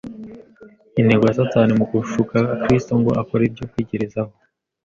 Intego ya Satani mu gushuka Kristo ngo akore ibyo kwigerezaho